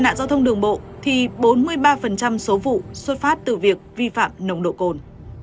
nạn giao thông đường bộ thì bốn mươi ba số vụ xuất phát từ việc vi phạm nồng độ cồn